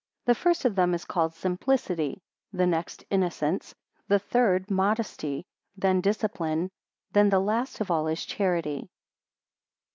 The first of them is called Simplicity; the next Innocence; the third Modesty; then Discipline; and the last of all is Charity.